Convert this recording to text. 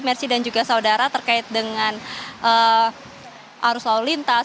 mercy dan juga saudara terkait dengan arus lalu lintas